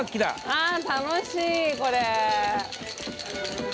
あ楽しいこれ。